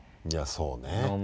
いやそうね。